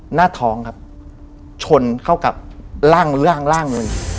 หน้าท้องครับชนเข้ากับร่างเลย